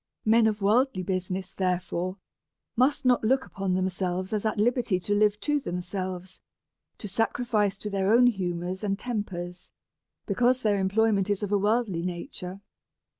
Men of worldly business, therefore, must not look upon themselves as at liberty to live to themselves, to sacrifice to their own humours and tempers, because their employment is of a worldly nature.